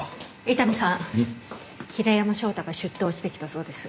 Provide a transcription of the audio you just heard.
伊丹さん平山翔太が出頭してきたそうです。